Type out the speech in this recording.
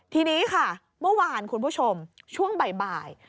ทีนี้ค่ะเมื่อวานคุณผู้ชมช่วงบ่าย